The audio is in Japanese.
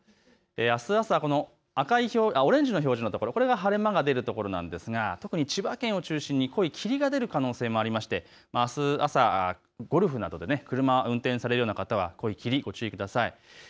あす朝、オレンジの表示のところこれが晴れ間の出るところなんですが、千葉県を中心に濃い霧が出る可能性もありましてあす朝、ゴルフなどで車を運転される方は霧にご注意ください。